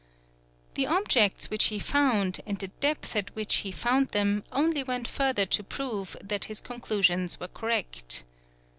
The objects which he found, and the depth at which he found them, only went further to prove that his conclusions were correct.